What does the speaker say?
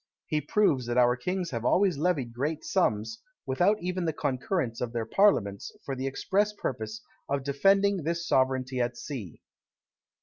He proves that our kings have always levied great sums, without even the concurrence of their parliaments, for the express purpose of defending this sovereignty at sea.